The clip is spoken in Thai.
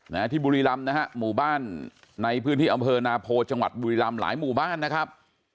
นะฮะที่บุรีรำนะฮะหมู่บ้านในพื้นที่อำเภอนาโพจังหวัดบุรีรำหลายหมู่บ้านนะครับ